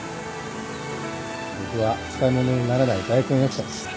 僕は使い物にならない大根役者でした。